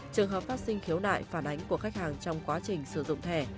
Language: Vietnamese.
trường hợp phát sinh khiếu nại phản ánh của khách hàng trong quá trình sử dụng thẻ